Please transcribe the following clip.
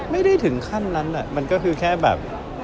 ไม่ได้ถึงขั้นนั้นมันก็คือแค่แบบ